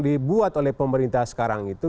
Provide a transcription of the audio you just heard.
dibuat oleh pemerintah sekarang itu